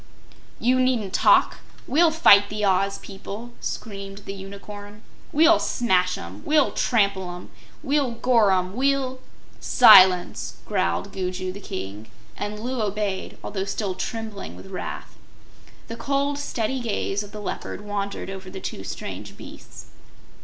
"You needn't talk! We'll fight the Oz people!" screamed the Unicorn. "We'll smash 'em; we'll trample 'em; we'll gore 'em; we'll " "Silence!" growled Gugu the King, and Loo obeyed, although still trembling with wrath. The cold, steady gaze of the Leopard wandered over the two strange beasts.